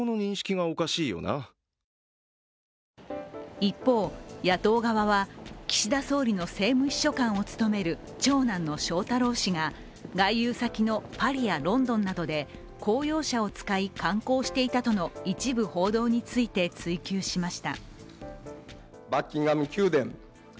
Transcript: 一方、野党側は岸田総理の政務秘書官を務める長男の翔太郎氏が外遊先のパリやロンドンなどで公用車を使い観光していたとの一部報道について追及しました。